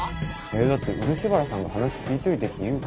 いやだって漆原さんが「話聞いといて」って言うから。